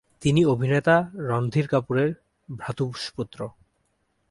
তিনি অভিনেতা রণধীর কাপুরের ভ্রাতুষ্পুত্র।